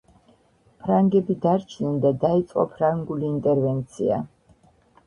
ფრანგები დარჩნენ და დაიწყო ფრანგული ინტერვენცია.